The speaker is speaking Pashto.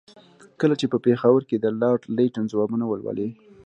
کله چې په پېښور کې د لارډ لیټن ځوابونه ولولي.